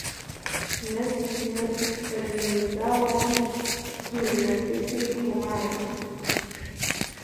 مەست مەست بە نیمنیگاوە، دوو نێرگسی خوماری